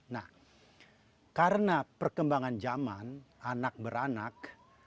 nah karena perkembangan zaman anak beranak